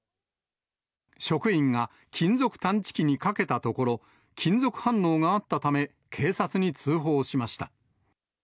職員が金属探知機にかけたところ、金属反応があったため、警察に通報しました。